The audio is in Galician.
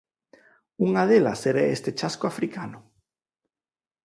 Unha delas era este chasco africano.